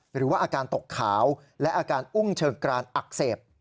หรือว่าอาการตกขาวและอาการอุ้งเชิงกรานอักเสบ